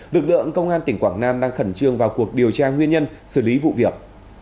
lực lượng công an tỉnh quảng nam đang khẩn trương vào cuộc điều tra nguyên nhân xử lý vụ việc